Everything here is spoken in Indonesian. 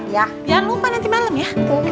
jangan lupa nanti malem ya